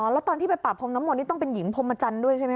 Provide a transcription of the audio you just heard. แล้วตอนที่ไปปรับพรมน้ำมนต์ต้องเป็นหญิงพรมอาจารย์ด้วยใช่ไหมครับ